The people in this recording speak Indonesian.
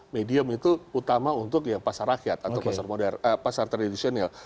medium itu utama untuk yang pasar rakyat atau pasar tradisional